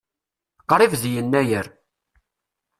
Qrib d Yennayer.